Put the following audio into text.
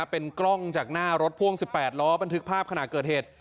เป็นกล้องจากหน้ารถพ่วง๑๘ล้อบันทึกภาพขณะเกิดเหตุ